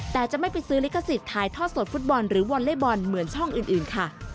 แต่จะไม่ไปซื้อลิขสิทธิ์ถ่ายทอดสดฟุตบอลหรือวอลเล่บอลเหมือนช่องอื่นค่ะ